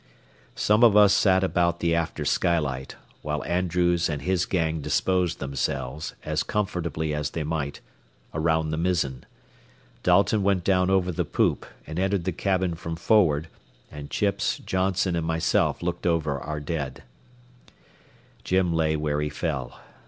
Some of us sat about the after skylight, while Andrews and his gang disposed themselves, as comfortably as they might, around the mizzen. Dalton went down over the poop, and entered the cabin from forward, and Chips, Johnson, and myself looked over our dead. Jim lay where he fell.